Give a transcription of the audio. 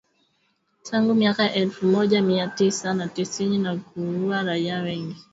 tangu miaka ya elfu moja mia tisa na tisini na kuua raia wengi